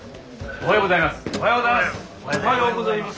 おはようございます。